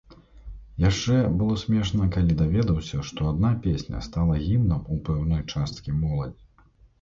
Яшчэ было смешна, калі даведаўся, што адна песня стала гімнам у пэўнай часткі моладзі.